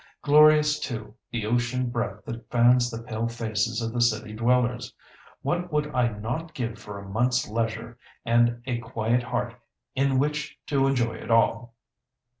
Glorious, too, the ocean breath that fans the pale faces of the city dwellers! What would I not give for a month's leisure and a quiet heart in which to enjoy it all!"